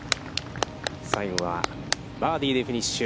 最後は、バーディーでフィニッシュ。